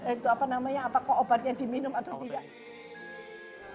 itu apa namanya apakah obatnya diminum atau tidak